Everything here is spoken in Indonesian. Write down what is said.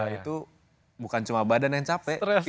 itu bukan cuma badan yang capek